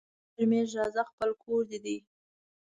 مه شرمېږه راځه خپل کور دي دی